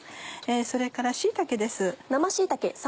それから椎茸です。